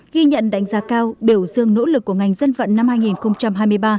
ghi nhận đánh giá cao biểu dương nỗ lực của ngành dân vận năm hai nghìn hai mươi ba